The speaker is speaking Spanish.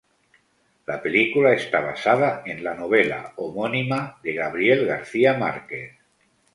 La película está basada en la novela homónima de Gabriel García Márquez.